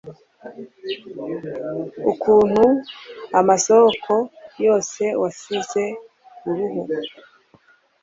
ukuntu amasoko yose wasize uruhu